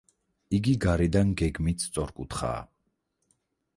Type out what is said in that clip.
იგი გარედან გეგმით სწორკუთხაა.